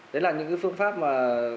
đấy là những phương pháp mà